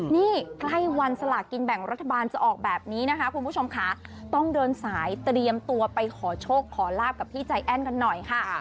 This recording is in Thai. นี่ใกล้วันสลากินแบ่งรัฐบาลจะออกแบบนี้นะคะคุณผู้ชมค่ะต้องเดินสายเตรียมตัวไปขอโชคขอลาบกับพี่ใจแอ้นกันหน่อยค่ะ